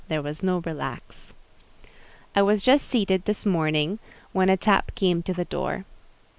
there was no relax. I was just seated this morning, when a tap came to the door.